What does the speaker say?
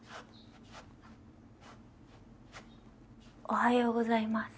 おはようございます。